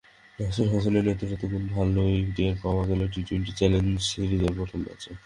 নাসির হোসেনের নেতৃত্বগুণ ভালোই টের পাওয়া গেল টি-টোয়েন্টি চ্যালেঞ্জ সিরিজের প্রথম ম্যাচে।